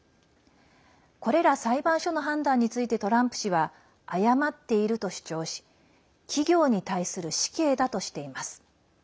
これら裁判所の判断についてトランプ氏は誤っていると主張し企業に対する死刑だとしています。